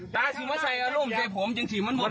ตาชิมะชัยอารมณ์ชัยผมจึงชิมมันหมด